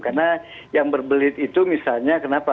karena yang berbelit itu misalnya kenapa